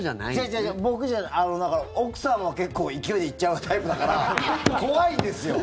違う違う僕じゃないだから、奥さんは結構、勢いで行っちゃうタイプだから怖いんですよ。